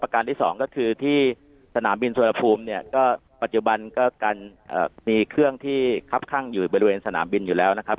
การที่สองก็คือที่สนามบินสุวรรณภูมิเนี่ยก็ปัจจุบันก็การมีเครื่องที่คับข้างอยู่บริเวณสนามบินอยู่แล้วนะครับ